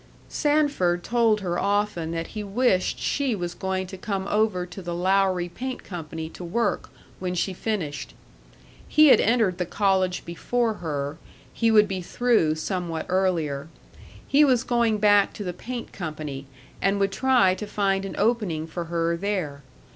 Sanford told her often that he wished she was going to come over to the Lowry Paint Company to work, when she finished. He had entered the college before her; he would be through somewhat earlier; he was going back to the paint company and would try to find an opening for her there.